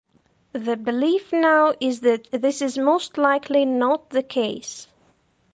The belief now is that this is most likely not the case.